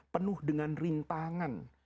penuh dengan rintangan